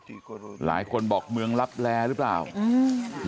หลายคนบอกเมืองลับแลหรือเปล่าอืม